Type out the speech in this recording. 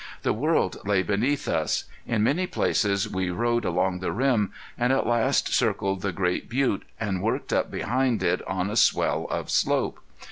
The world lay beneath us. In many places we rode along the rim, and at last circled the great butte, and worked up behind it on a swell of slope.